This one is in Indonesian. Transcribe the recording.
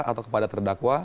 atau kepada terdakwa